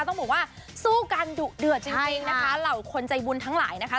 ต้องบอกว่าสู้กันดุเดือดจริงนะคะเหล่าคนใจบุญทั้งหลายนะคะ